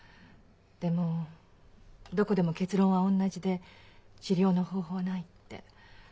でもどこでも結論は同じで「治療の方法はない」って。